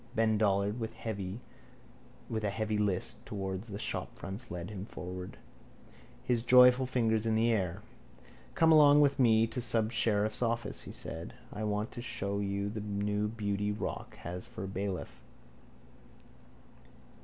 Ben Dollard with a heavy list towards the shopfronts led them forward, his joyful fingers in the air. —Come along with me to the subsheriff's office, he said. I want to show you the new beauty Rock has for a bailiff.